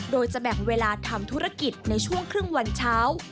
โดยจะแบ่งเวลาทำธุรกิจในช่วงครึ่งวันเช้า